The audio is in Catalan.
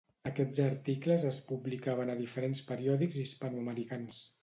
Aquests articles es publicaven a diferents periòdics hispanoamericans.